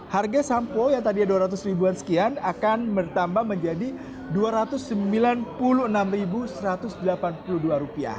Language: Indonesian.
harga sampo yang tadinya rp dua ratus ribuan sekian akan bertambah menjadi rp dua ratus sembilan puluh enam satu ratus delapan puluh dua